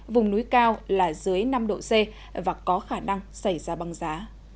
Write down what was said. vùng núi cao là dưới năm độ c và có khả năng xảy ra băng giá